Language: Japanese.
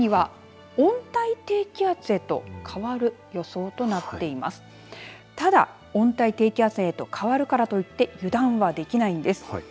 ただ、温帯低気圧へと変わるからといって油断はできないんです。